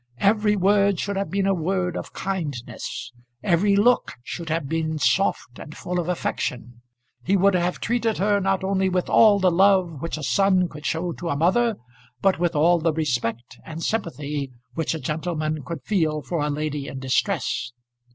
Every word should have been a word of kindness; every look should have been soft and full of affection. He would have treated her not only with all the love which a son could show to a mother, but with all the respect and sympathy which a gentleman could feel for a lady in distress.